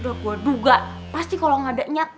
udah gue duga pasti kalau ga ada nyet